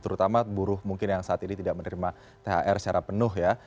terutama buruh mungkin yang saat ini tidak menerima thr secara penuh ya